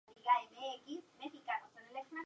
Fueron grupo soporte de Iggy Pop.